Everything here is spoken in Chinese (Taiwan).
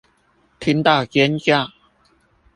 聽到尖叫